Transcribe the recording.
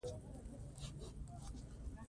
ښتې د افغانستان د اقلیم ځانګړتیا ده.